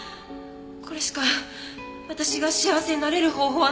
これしか私が幸せになれる方法はないんです。